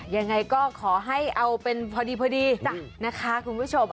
ยังไงก็ขอให้เอาเป็นพอดีนะคะคุณผู้ชม